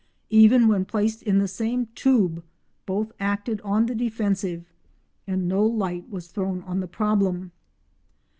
Even when placed in the same tube both acted on the defensive, and no light was thrown on the problem.